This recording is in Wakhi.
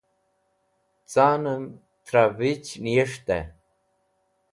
canem thra vich niyes̃ht'ey